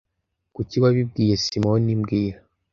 Kuki wabibwiye Simoni mbwira